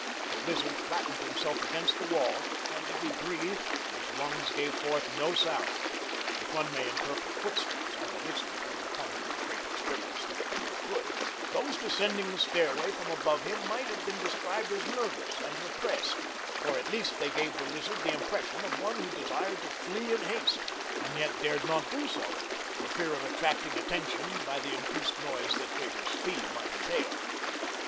The Lizard flattened himself against the wall, and if he breathed his lungs gave forth no sound. If one may interpret footsteps and the Lizard, from the fund of a great experience, felt that he could those descending the stairway from above him might have been described as nervous and repressed; for at least they gave the Lizard the impression of one who desired to flee in haste and yet dared not do so, for fear of attracting attention by the increased noise that greater speed might entail.